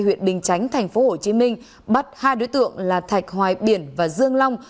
huyện bình chánh tp hcm bắt hai đối tượng là thạch hoài biển và dương long